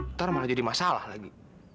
ntar malah jadi masalah lagi